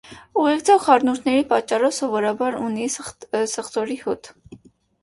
Ուղեկցող խառնուրդների պատճառով սովորաբար ունի սխտորի հոտ։